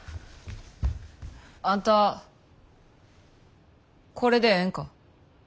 あんたこれでええんか。